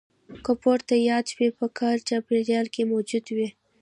که پورته یاد شوي په کاري چاپېریال کې موجود وي.